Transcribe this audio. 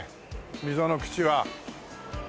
溝の口は。